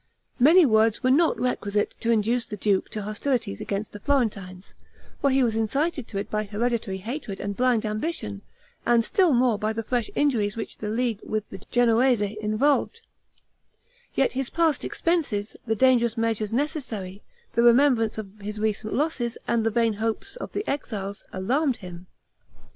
Many words were not requisite to induce the duke to hostilities against the Florentines, for he was incited to it by hereditary hatred and blind ambition, and still more, by the fresh injuries which the league with the Genoese involved; yet his past expenses, the dangerous measures necessary, the remembrance of his recent losses, and the vain hopes of the exiles, alarmed him.